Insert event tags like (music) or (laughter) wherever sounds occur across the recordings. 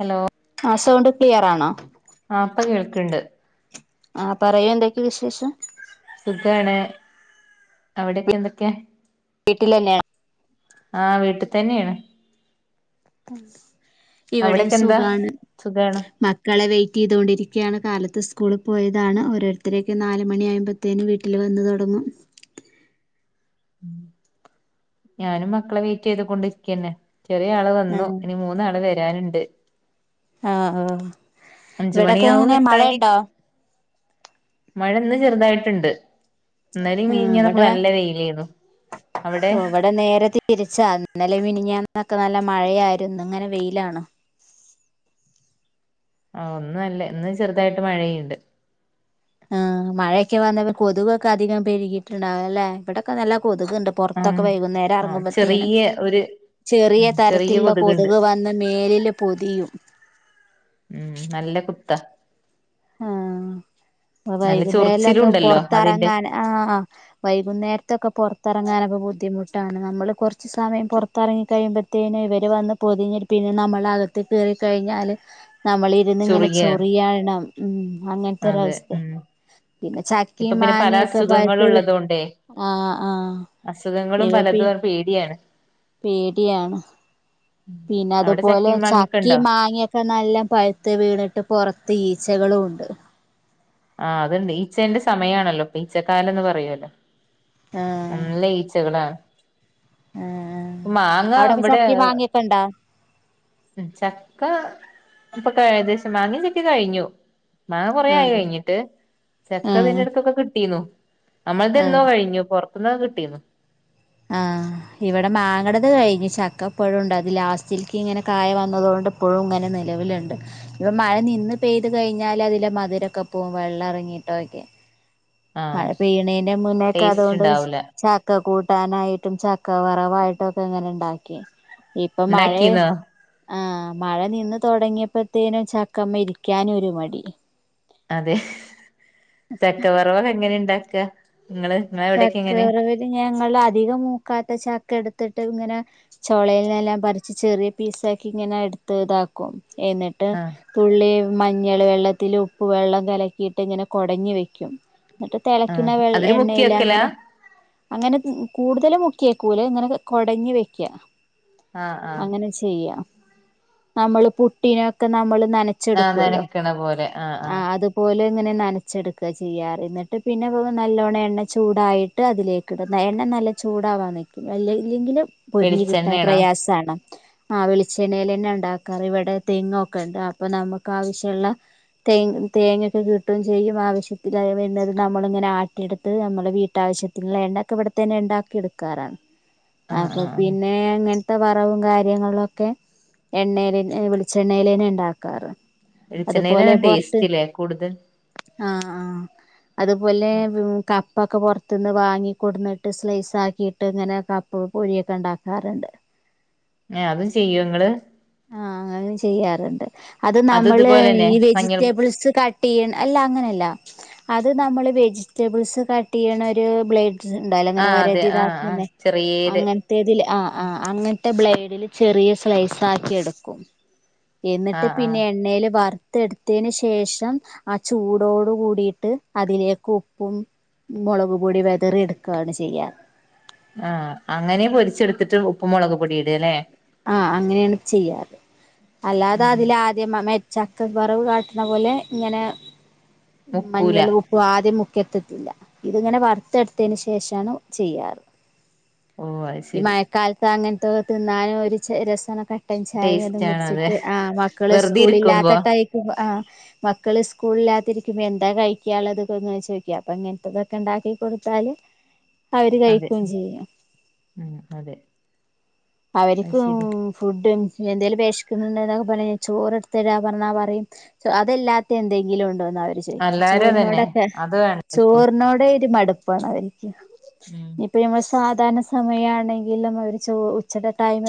Hello ആ sound clear ആണോ ആ ഇപ്പ കേൾക്ക്ണ്ട് ആ പറയ് എന്തൊക്കെ വിശേഷം സുഖാണ് അവിടെക്കെ എന്തൊക്കെ? വീട്ടിൽ അല്ലെ ആ വീട്ടിൽ തന്നെയാണ് ഇവിടെയും അവിടെക്കെ എന്താ സുഖാണ് സുഖാണ് മക്കളെ വെയ് റ്റെയ്ത് ഇവിടെ ഇരിക്കാണ് കാലത്ത് സ്കൂളിൽ പോയതാണ് ഓരോരുത്തരൊക്കെ നാല് മണിയാകുമ്പഴത്തേക്കും വീട്ടിൽ വന്ന് തൊടങ്ങും ഞാനും മക്കളെ വെയിറ്റ് ചെയ്ത് കൊണ്ടിരിക്കന്നെ ചെറിയ ആള് ആ വന്നു ഇനി മൂന്നാള് വരാനുണ്ട് ആ ആ അഞ്ച് ഇവിടൊക്കെ മണിയാവും എങ്ങനെ എത്താന് മഴുണ്ടോ? മഴ ഇന്ന് ചെറുതായിട്ട്ണ്ട് ഇന്നലേം ആ മിനിഞ്ഞാന്നൊക്കെ ഇവിടെ നല്ല വെയിലേന്നു അവിടെ ഇവിടെ നേരെ തിരിച്ച ഇന്നലെ മിനിഞ്ഞാന്നും ന്നൊക്കെ നല്ല മഴയായിരുന്നു ഇന്ന് വെയിലാണ് ആ ഇന്ന് നല്ല ഇന്ന് ചെറുതായിട്ട് മഴയ്യ്ണ്ട് ആ മഴയൊക്കെ വന്നവർ കൊതുകൊക്കെ അധികം പെരുകയിട്ടുണ്ടാവും ല്ലേ ഇവിടൊക്കെ നല്ല കൊതുക്ണ്ട് ഉം പൊറത്തൊക്കെ വൈകുന്നേരം ആ ഇറങ്ങുമ്പത്തേനും ചെറിയ ഒരു ഉം ചെറിയ തരത്തിലുള്ള കൊതുക്ണ്ട് കൊതുക് വന്ന് മേലില് പൊതിയും ഉം നല്ല കുത്ത വൈകുന്നേരൊക്കെ അതിന്റെ പൊറത്തറങ്ങാൻ ആ വൈകുന്നേരത്തൊക്കെ പൊറത്ത് ഇറങ്ങാനൊക്കെ ബുദ്ധിമുട്ടാണ് നമ്മൾ കുറച്ച് സമയം പുറത്തിറങ്ങിക്കഴിയുമ്പഴത്തേക്ക് ഇവര് വന്ന് പൊതിഞ്ഞ് പിന്നെ നമ്മളകത്ത് കയറിക്കഴിഞ്ഞാല് നമ്മളിരുന്നിങ്ങനെ ചുറുകിയ ചൊറിയണം ഉം അതെ അങ്ങനത്തൊരവസ്ഥയ ഉം പിന്നെ ഇപ്പൊ ചക്കയും പിന്നെ പല മാങ്ങയൊക്കെ അസുഖങ്ങളും പഴുത്തത് ഉള്ളത് കൊണ്ടേ ആ ആ അസുഖങ്ങളും ഇത് പി പലതും പേടിയാണ് പേടിയാണ് പിന്നെ അവിടെ അതുപോലെ ചക്കയും മാങ്ങൊക്കെ ഉണ്ടോ ചക്കയും മാങ്ങയൊക്കെ നല്ല പഴുത്ത് വീണിട്ട് പുറത്ത് ഈച്ചകളുംഉണ്ട് ആ അതുണ്ട് ഈച്ചന്റെ സമയമാണല്ലോ ഇപ്പൊ ഈച്ചക്കാലന്ന് പറയല്ലോ ആഹ് നല്ല ഈച്ചകളാ ആഹ് മാങ്ങ അവിടൊക്കെ ഇവിടെ ചക്കി മാങ്ങിയൊക്കെ ഇണ്ടാ ചക്ക അപ്പൊ ഏകദേശം മാങ്ങ ചക്കയും കഴിഞ്ഞു മാങ്ങ കൊറേ ആയി ആഹ് കഴിഞ്ഞു ചക്കതിന്റെ ആഹ് ഇടക്കൊക്കെ കിട്ടീരുന്നു നമ്മള്ടെയെന്നോ ആഹ് കഴിഞ്ഞു പൊറ ത്ത്ന്ന്‌ കിട്ടീന്ന് ആ ഇവിടെ മാങ്ങടത് കഴിഞ്ഞു ചക്കപ്പഴുണ്ട് അത് ലാസ്റ്റിലിക്ക് ഇങ്ങനെ കായ വന്നതുകൊണ്ട് പ്പോഴും ഇങ്ങനെ നിലവിലിണ്ട് ഇപ്പ മഴ നിന്ന് പെയ്തു കഴിഞ്ഞാല് അതിലെ മധുരൊക്കെ പോകും വെള്ളറങ്ങി ആഹ് മഴ പെയ്യെണേന്റെ മുന്നക്കെ ടേസ്റ്റ് അതുകൊണ്ട് ഉണ്ടാവൂല ചക്ക കൂ കൂട്ടാനായിട്ടും ചക്കവറവായിട്ടും ഒക്കെ ഇങ്ങനെ ഉണ്ടാക്കിയെ ഇപ്പം മഴ ഉണ്ടാക്കീന്നോ ആ മഴ നിന്ന് തൊടങ്ങിയപ്പഴത്തേനും ചക്കമെലിക്കാനും ഒരു മടി അതെ ചക്കവറവ എങ്ങനെ ഉണ്ടാക്കുക ചക്കവരവിന് ഞ അധികം മൂക്കാത്ത ചക്ക എടുത്തിട്ട് ഇങ്ങനെ ചോളൽന്നെല്ലാം പറിച്ച് ചെറിയ പീസാക്കി ഇങ്ങനെ എടുത്ത് ഇതാക്കും എന്നിട്ട് ആഹ് തുള്ളി മഞ്ഞൾ വെള്ളത്തില് ഉപ്പ് വെള്ളം കലക്കിയിട്ട് ഇങ്ങനെ കൊടഞ്ഞ് വെക്കും എന്നിട്ട് തിളക്കിണ ആഹ് വെള്ള അതില് മുക്കി എണ്ണയില വെക്കലാ അങ്ങനെ അങ്ങനെ കൂടുതല മുക്കിയക്കൂല് ഇങ്ങനെ കൊടഞ്ഞി വെക്ക ആഹ് ആഹ് അങ്ങനെ ചെയ്യാം നമ്മള് പുട്ടിനൊക്കെ നമ്മള് ആഹ് നനച്ചെടുക്കുവല്ലോ നനക്ക്ണ പോലെ ആഹ് ആ ആഹ് അതുപോലെ ങ്ങനെ നനച്ചെടുക്കുക ചെയ്യാറ് എന്നിട്ട് പിന്നെ പോക നല്ലവണ്ണം എണ്ണ ചൂടായിട്ട് അതിലേക്ക് ഇടുന്ന എണ്ണ നല്ല ചൂടാവാ നിൽക്കും അല്ല ഇല്ലെങ്കിലും പൊരിഞ്ഞ് കിട്ടാൻ വെളിച്ചെണ്ണേണോ പ്രയാസാണ് ആ വളിച്ചെണ്ണയിലെന്ന ഉണ്ടാക്കാറ് ഇവിടെ തെങ്ങ് ഒക്കെ ഉണ്ട് അപ്പൊ നമുക്ക് ആവശ്യമുള്ള തേ തേങ്ങൊക്കെ കിട്ടുകയും ചെയ്യും ആവശ്യത്തിനായി വരുന്നത് നമ്മളിങ്ങനെ ആട്ടിയെടുത്ത് നമ്മള് വീട്ടാവിശ്യത്തിനുള്ള എണ്ണക്കെ ഇവിടെ തന്നെ ഇണ്ടാക്കി എടുക്കാറാണ് ആഹ് അപ്പൊ ആഹ് ആഹ് പിന്നെ അങ്ങ വറവും കാര്യങ്ങളൊക്കെ എണ്ണയി ൽ വെളിച്ചെണ്ണയിലന്നെ ഉണ്ടാക്കാറ് വെളിച്ചെണ്ണയില് ടേസ്റ്റ് ഇല്ലേ കൂടുതൽ ആ ആ അതുപോലെ കപ്പക്കെ പുറത്തിന്ന് വാങ്ങിക്കൊണ്ടുന്നിട്ട് സ്ലൈസ് ആക്കിയിട്ട് ഇങ്ങനെ കപ്പ് പൊരിയൊക്കെ ഉണ്ടാക്കാറുണ്ട് അതും ചെയ്യും നിങ്ങള് ആ അങ്ങനെ ചെയ്യാറുണ്ട് അത് അതും നമ്മള് ഇതുപോലെന്നെ ഈ മഞ്ഞൾ വെജിറ്റബിൾസ് ക അല്ല അങ്ങനല്ല അത് നമ്മള് വെജിറ്റബിൾസ് കട്ട് ചെയ്യണ ഒരു ബ്ലേഡ് ണ്ടായാല അങ്ങനെ ആഹ് അതെ വരത് ആഹ് ആഹ് ഇതാക്കുന്നേ ചെറിയേര് അങ്ങനത്തേതില്ലേ ആ ആ അങ്ങനത്തെ ബ്ലേഡില് ചെറിയ സ്ലൈസ് ആക്കി എടുക്കും എന്നിട്ട് ആഹ് ആഹ് പിന്നെ എണ്ണയില് വർ ത്തെ എടുത്തതിന് ശേഷം ആ ചൂടോട് കൂടിയിട്ട് അതിലേക്ക് ഉപ്പും മുളക്പൊടി വെതറി എടുക്കയാണ് ചെയ്യാൻ ആ അങ്ങനെ പൊരിച്ചെടുത്തിട്ട് ഉപ്പ് മുളക് പൊടി ഇട അല്ലേ ആ അങ്ങനെയാണ് ചെയ്യാറ് അല്ലാതെ ഉം അതില ആദ്യ ചക്കക്കറവ് കാട്ടുന്ന പോലെ ഇങ്ങനെ മുക്കൂല മഞ്ഞൾ ഉപ്പും ആദ്യം മു കത്തത്തില്ല ഇതിങ്ങനെ വറുത്തെടുത്തതിന് ശേഷാണ് ചെയ്യാറ് ഓഹ് അത് ഈ ശെരി മഴക്കാലത്ത് അങ്ങനത്തെൊക്കെ തിന്നാനും ഒരു രസമൊക്കെ പട്ടൻ ചായയും അതും ടേസ്റ്റാണത് കുടിച്ചിട്ട് ആ് മക്കള് വെറുതെ സ്കൂള ഇരിക്കുമ്പോ ഇില്ലാത്തട്ടായിരിക്കും ആ് മക്കള് സ്കൂളിലാത്തിരിക്കുമ്പോ എന്താ കഴിക്കാനുള്ളതു ചോഴിക്കാ ഇങ്ങനത്തെതൊക്കെ ഉണ്ടാക്കി കൊടുത്താല് (inaudible) അവര് അതെ കഴിക്കുംചെയ്യും ഉം അതെ അവര് (unintelligible) എന്തെലും വേഷ്ക്കുന്നുണ്ട പറയും ചോറ്ടുത്ത്തരാപറഞ്ഞാൽ പറയും അതല്ലാത്ത എന്തെങ്കിലും ഉണ്ടോ (unintelligible) എല്ലാരും അതന്നെ ചോറിനേടക്കെ അത് വേണം എല്ലാർക്കും ചോറിനോ ഉം മ (unintelligible) സാധാരണ സമയ ആണെങ്കിലും വർ ഉച്ചയുടെ ടൈമ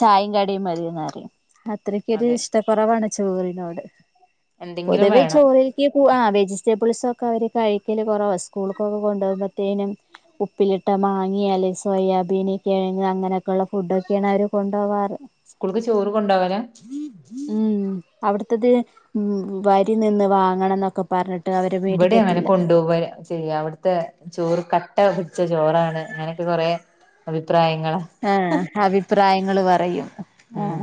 ചായയും കടിയും മതിന്ന്പറയും അത്രക്കൊരു അതെ ഇഷ്ട കുറവാണ് ചോറിനോട് എന്തെങ്കിലും പൊതുവെ വേണം ചോർ (unintelligible) ആ വെജിറ്റബിൾസ് ഒക്കെ അവര് കഴിക്കല് കുറവ സ്കൂൾക്കൊക്കെ കൊണ്ട പോകുമ്പോഴത്തേനും ഉപ്പിലിട്ട മാങ്ങിയല്ലേ സോയാബീൻ കിഴങ്ങ് അങ്ങനെയൊക്കെ അവര് കൊണ്ടവാറ് സ്കൂൾക്ക് ചോറ് കൊണ്ടോവലാ മ് അവി ത് വരി നിന്ന് വാങ്ങണം എന്നൊക്കെ പറഞ്ഞിട്ട് അവര് ഇവിടെ അങ്ങനെ മേടിക്കത്തില്ല കൊണ്ടുപോ ചെയ്യ അവിടുത്തെ ചോറ് കട്ട ചോറാണ് അങ്ങനൊക്കെ കുറേ അഭിപ്രായം ആ അഭിപ്രായങ്ങൾ പറയും ആ ഉം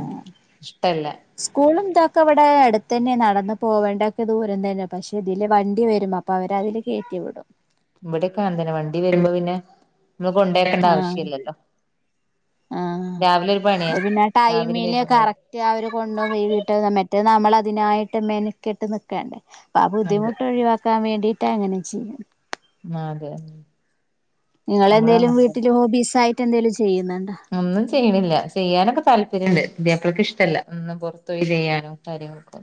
ഇഷ്ടല്ല സ്കൂളും ക്ക അവിടെ അടുത്ത് തന്നെ നടന്നന്ന് പോകേണ്ടൊക്കെ ദൂരം തന്നെയാണ് പക്ഷെ ഇതില് വണ്ടി വരുമ്പോ അപ്പോഅവരതില് ക ത്തിവിടും ഇവിടെ കാണ തന്നെ വണ്ടി വരുമ്പോ പിന്നെ നമ്മക്ക് കൊണ്ടേക്കേണ്ട ആവശ്യല്ലല്ലോ ആ രാവിലെ ഒരു പണിയാ പിന്നെ രാവിലെ ടൈമില് വൈകുന്നേരം കറക്റ്റ് അവര് കൊണ്ട (unintelligible) മ് നമ്മള അതിനായിട്ട് മെനക്കിട്ട് നിക്കേണ്ടേ ആ അതെ ബുദ്ധിമുട്ട് ഒഴിവാക്കാൻ വേണ്ടി അങ്ങനെ (unintelligible) ആ അതെ നമ്മളും നിങ്ങെന്തേലും അങ്ങൻതന്നെ വീട്ടില് ഹോബീസ് ആയിട്ട് എന്തലും ഒന്നും ചെയ്യണില്ല ചെയ്യാനൊക്കെ താല്പര്യണ്ട് പുതിയാപ്ലക് ഇഷ്ടല്ല ഒന്ന് പൊറത്ത് ചെയ്യാനോ കാര്യങ്ങളൊക്ക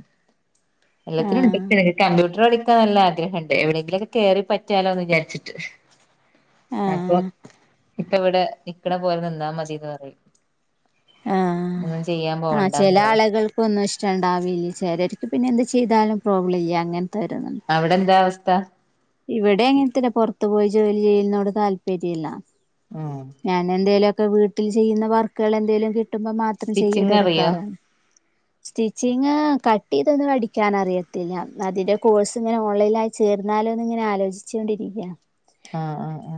എല്ലാത്തിനും ആഹ് ഉണ്ട് കമ്പ്യൂട്ടർ കളിക്ക ക്കെ നല്ല ആഗ്രഹംണ്ട് എവിടെയെങ്കിലുമൊക്കെ കേറി പറ്റിയാലോ എന്ന് വിചാരിച്ചിട്ട് അപ്പൊ ആഹ് ഇപ്പൊ ഇവിടെ നിക്കണ പോലെ നിന്നാ മതിന്ന് പറയും ആ ഒന്നും ചെയ്യാൻ ആ ചെല പോവണ്ടാന്നുള്ളത് ആളുകൾക്കൊന്നും രണ്ടാവവിയിൽ ചാരാര്ക് പിന്നെ എന്ത് ചെയ്താലും പ്രോബ്ലം ഇല്ല അങ്ങനെ അവിടെ എന്താ അവസ്ഥ ഇവിടെ എങ്ങനത്തെല്ല പുറത്തു പോയി ജോലി ചെയ്യ്ന്നോട് താല്പര്യല്ല ആഹ് ഞാനെന്തേലൊക്ക വീട്ടിൽ ചെയ്യുന്ന വർക്കുകൾ എന്തേലും കി കിട്ടുമ്പോ മാത്രം ചെയ്യത സ്റ്റിച്ചിങ് അറിയോ എടുക്കാറാണ് സ്റ്റിച്ചിങ്ങ് കട്ട്ഇത് അ ഠിക്കാൻറിയത്തില്ല അതിൻ്റെ കോഴ്സ് ഇങ്ങനെ ഓൺലൈനായി ചേർന്നാലും ഇങ്ങനെ ആലോചിചോണ്ടിരിക്ക ആ ആ ആ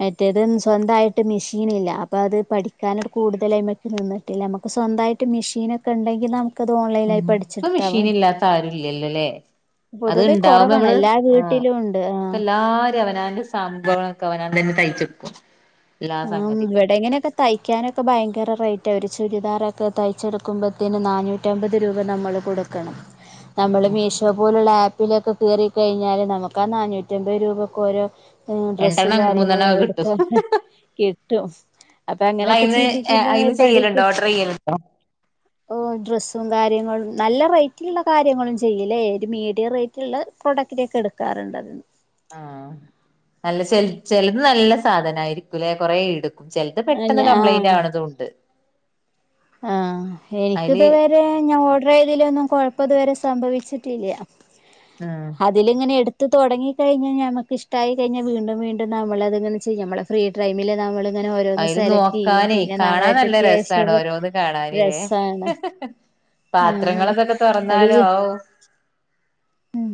മറ്റേത് സ്വന്തായിട്ട് മെഷീൻ ഇല്ല അപ്പൊ അത് പഠിക്കാന കൂടുതലായ്മക്ക നിന്നിട്ടില്ല നമുക്ക് സ്വന്തായിട്ട് മെഷീനൊക്കെ ണ്ടെങ്കിൽ നമുക്ക് ഉ ഇപ്പ മെഷീൻ ഇല്ലാത്ത ആരുല്ലല്ലല്ലേ അത് പൊതുവെ ഇണ്ടാവുമ്പോ കുറവാണ് നമ്മള് എല്ലാ ആ വീട്ടിലും ഉണ്ട് ആ ഇപ്പ എല്ലാരും അവനാന്റെ സംഭവങ്ങളക്കെ അവനാ തന്നെ തയ് (unintelligible) ആ ഇവിടെ ഇങ്ങനെയൊക്കെ തയ്ക്കാനൊക്കെ ഭയങ്കര റേറ്റാ ഒരു ഇ... ചുരിദാറൊക്കെ തയ്ച്ചെടുക്കുമ്പത്തിന് നാനൂറ്റമ്പത് രൂപ നമ്മൾ കൊടുക്കണം നമ്മള് ഉം മീഷോ പോലുള്ള ആപ്പ് ആപ്പിലൊക്കെ കയറി കഴിഞ്ഞാല് നമുക്ക് ആ നാനൂറ്റമ്പത് രൂപക്ക് ഒരു. ഹ് ഡ്രസ്സും രണ്ടെണ്ണം മൂന്നെണ്ണം കാര്യങ്ങളും ഒക്കെ എടുത്ത കിട്ടും ഹഹ.. കിട്ടോ അപ്പൊ നിങ്ങൾ അങ്ങനെയൊക്കെ അയിന്ന് ചിന്തിക്കുമ്പ അയിന്ന് ചെയ്യലുണ്ടോ പഠികും.. ഓർഡർ ചെയ്യലുണ്ടോ ഓ ഡ്രസ്സും കാര്യങ്ങളും നല്ല റേറ്റുള്ള കാര്യങ്ങളും ചെയ്യല്ലേ ഒരു മീഡിയം റേറ്റുള്ളത്.. കൊടക്കിനൊക്കെ എടുക്കാറുണ്ട് അതിന്ന് ആഹ അല്ലാ നല്ല ച ചിലത് നല്ല സാധനായിരിക്കുംല്ലെ കൊറെ ഇടുക്കും.. ചെലത് ആഹ് പെട്ടെന്ന് ഞാ കംപ്ലൈന്റ് ആവ്ണതുംണ്ട് ആ എനിക് ഇത് വരെ ഞാൻ ഓർഡർ യ്തിൽ ഒന്നും കൊഴപ്പം ഇതുവരെ സംഭവിച്ചിട്ടില്ല.. ഉം അതിലിങ്ങനെ എട്... ത്ത് തുടങ്ങി കഴിഞ്ഞാൽ ഞമ്മക്ക് ഇഷ്ടആയി കഴിഞ്ഞാൽ വീണ്ടും വീണ്ടും നമ്മളത്ങ്ങനെ ചെയ്യും നമ്മളെ ഫ്രീ ടൈമിൽ നമ്മള്ള്.. അങ്ങനെ ഓരോന്ന് അയില് സെലക്ട് ചെയ്യും നോക്കാനേ പിന്നെ കാണാൻ നമ്മളെരുത്ത് നല്ല ക്യാഷ്‌ രസാണ് ഒക്കെ ഓരോന്ന് കാണാന് ല്ലേ രസ്സാണ് ആഹ പാത്രങ്ങളതൊക്കെ അത് തുറന്നാലോ പി.. ഉം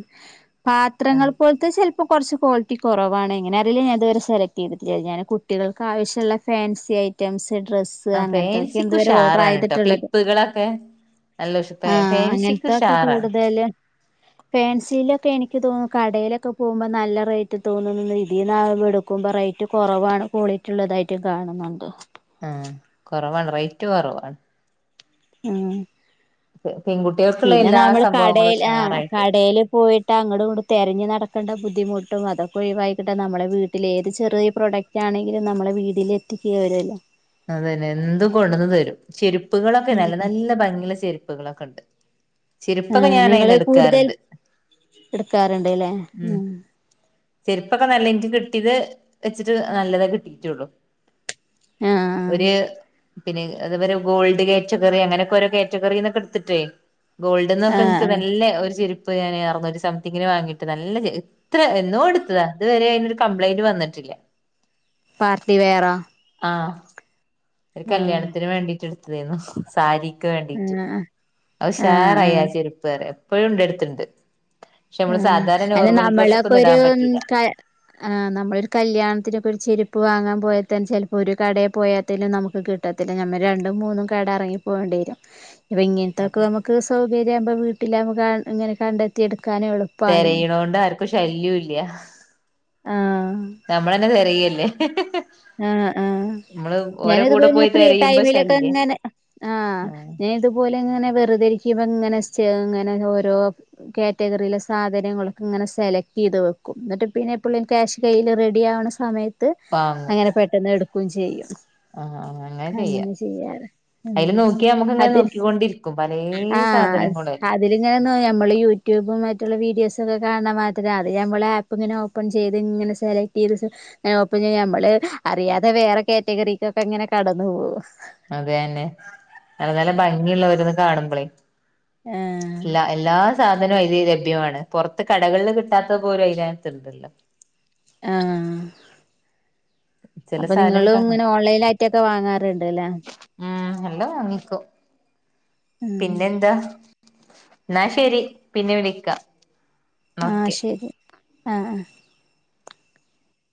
ഔ പാത്രങ്ങൾ പോലത്തെ ചെല്.. ഇപ്പ കുറച്ച് ക്വാളിറ്റി കുറവാണ് ഏ ങ്ങനെ അറിയില്ല ഞാ ഇതുവരെ സെലക്ട് ചെയ്തിട്ടില്ല കുട്ടികൾക്ക് ആവിശ്യമുള്ള ഫാൻസി.. ഐറ്റംസ് ഡ്രസ് ആ അങ്ങനത്തൊക്കെയ ഫാൻസിക്ക് ഇതുവരെ ഓർഡർ ഉഷാറാണ് ട്ടോ ആയിതിട്ടുള്ളത് എ. ക്ലിപ്പുകളൊക്കെ നല്ല ഉഷ് ആഹ ഫാൻസിക്ക് അങ്ങനത്തൊക്കെ ഉഷാറാണ് കൂടുതല് ഫെ.. പെൻസിലൊക്കെ എനിക്ക് തോന്നുന്നു കടയിലൊക്കെ പോകുമ്പോൾ നല്ല റേറ്റ് തോന്നുന്നു ഇതീന്ന് ആവുംബോഎടുക്കുമ്പോൾ റേറ്റും കുറവാണ് ക്വാളിറ്റി ഉള്ളതായിട്ട് കാണുന്നുണ്ട്. ആ കൊറവാണ് റേറ്റ് കൊറവാണ്. ഉം (unintelligible) പിന്നെ എല്ലാ നമ്മൾ സംഭവങ്ങളും കടേല് ആ ഉഷാറായിട്ടുണ്ട് കടേല് പോയിട്ട് അങ്ങോടും ഇങ്ങടും തെരഞ്ഞ് നട ക്കണ്ട ബുദ്ധിമുട്ടും അതൊക്കെ ഒയിവാഴ്കിട്ടും നമ്മുടെ വീട്ടിൽ ഏത് ചെറിയ പ്രഡക്റ്റ് ആണെങ്കിലും നമ്മളെ വീട്ടില് എത്തി വരുവല്ലോ അതന്നെ എന്തും കൊണ്ടുവന്ന് തരും ചെരുപ്പുകളൊക്കെ നല്ല നല്ല ഭംഗിയുള്ള ചെരുപ്പുകളൊക്കെ ഉണ്ട്. ആ ചെരുപ്പൊക്കെ ഞാൻ അയിന്ന് നിങ്ങള് കൂടുതൽ എടുക്കാറുണ്ട് എടുക്കാറുണ്ട്ല്ലേ ഉം. ചെരുപ്പൊക്കെ നല്ല എനിക്ക് കിട്ടിയത് വെച്ചിട്ട് നല്ലതേ കിട്ടിട്ടള്ളു. ആഹ് ഒര് പിന്നെ അതെപോലെ ഗോൾഡ് കാറ്റഗറി അങ്ങനെയൊക്കെ ഓരോ കാറ്റഗറിന്നൊക്കെടുത്തിട്ടേ.. ഗോൾഡ്ന്നൊക്കെ ആഹ് എനിക്ക് ആഹ് ആഹ് നല്ല ഒരു ചെരുപ്പ് ഞൻ അർന്നൂറ്റി സംതിങ്ങിന് വാങ്ങിയിട്ട് നല്ല ഇത്ര. എന്നോ എടുത്തതാ ഇതുവരെഅതിനൊരു കംപ്ലയിന്റ് വന്നിട്ടില്ല. പാർട്ടി വെയറോ ആഹ് ഒരു ആഹ് കല്യാണത്തിന് വേണ്ടിട്ട് എടുത്തതായിരുന്നു സാരി. ക് വേണ്ടീറ്റ് ആഹ് ആഹ് അത്ഉഷാറയി ആഹ് ആ ചെരുപ്പ്റിയും ഇപ്പെയും ഇന്റെ ടുത്തുണ്ട്. ആ അല്ലാ നമ്മളൊക്കെ ഒരു ഇടാൻ പറ്റൂല ആ നമ്മളൊരു കല്യാണത്തിനൊക്കെ ഒരു. ചെരുപ്പ് വാങ്ങാൻ പോയെ തന്നെ ചെലപ്പോൾ ഒരു കടയെ പോയാതന്നെ നമുക്ക് കിട്ടത്തില്ല ഞമ്മൾ രണ്ടു മൂന്നും കട എറങ്ങി.. പോവേണ്ടി വരും ഇപ്പ അതെ ഇങ്ങനത്തെൊക്കെനമുക്ക് സൗകര്യവുമ്പോ വീട്ടിൽ ഇങ്ങനെ കണ്ടെത്തി എടു. തെരയണൊണ്ട് ആർക്കും ശല്യം ഇല്ല ആഹ് നമ്മള തന്നെ തെരയല്ല. ല്ലേ ആ ആ ഞാന് കൂടെ ഇതുപോലെ ഇങ്ങ പോയി ഫ്രീ തിരയുമ്പോ ടൈമിലൊക്കെ ശല്യ ഇങ്ങനെ ആ ആഹ് ഞാൻ ഇതുപോലെ ഇങ്ങനെ വെറുതരിക്കുമ്പ. ഇങ്ങനെ ഇങ്ങനെ ഓരോ കാറ്റഗറിയിലെ സാധനങ്ങളൊക്കെ ഇങ്ങനെ സെലക്ട് ചെയ്ത് വെക്കും. എന്നിട്ട് പിന്നെ എപ്പള്ളേും ക്യാഷ് കൈയിൽ റെഡി ആവ്ണ സമയത്ത് വാങ്ങും അങ്ങനെ പെട്ടന്ന് എടുക്കുകയും ചെയ്യും ആ ചെയ്യാ അങ്ങനെ ചെയ്യാറ് ഹാ അതില് നോക്കിയാ നമുക്ക് ഇങ്ങനെ അതിന് നോക്കിക്കൊണ്ടിരിക്കും പലേ ആ ആ സാധനങ്ങളല്ലേ അതില് ഇങ്ങനെ നമ്മള് യൂട്യൂബും മറ്റുള്ളീ വീ വീഡിയോസൊക്കെ കാണ് ണ മാരിതന്നെ അത് നമ്മൾ ആപ്പ് ഇങ്ങനെ ഓപ്പൺ ചെയ്ത് ഇങ്ങനെ സെലക്ട് ചെയ്ത്ങ്ങെ ഓപ്പൺ ചെയ്ത് നമ്മൾ.. അറിയാതെ വേറെ കാറ്റഗറിക്കൊക്കെ ഇങ്ങനെ കടന്നു പോവും.. അത് തന്നെ നല്ല നല്ല ഭംഗിയുള്ളോരോന്ന് കാണുമ്പോളേ ആഹ് എല്ലാ എല്ലാ സാധ അതിനതു ലഭ്യമാണ് പുറത്ത് കടകളിൽ കിട്ടാത്ത പോലും അതിനകത്തുണ്ടല്ലോ. ആ ചില അപ്പൊ സാധനങ്ങൾ നിങ്ങളും കാണാൻ ഇങ്ങനെ ഓൺലൈനായിട്ടൊക്കെ വാങ്ങാറുണ്ട് അല്ലേ. നല്ല വാങ്ങിക്കും ആഹ് പിന്നെ എന്താ എന്നാ ശരി പിന്നെ വിളിക്കാം. ആഹ് ഓക്കെ ശരി ആഹ്